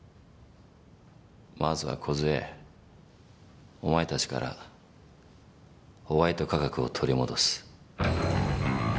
まずは梢お前たちからホワイト化学を取り戻す。